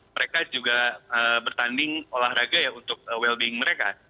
mereka juga bertanding olahraga ya untuk well being mereka